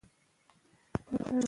ځینې بکتریاوې د چرګ سره تړاو لري.